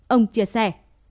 ông chia sẻ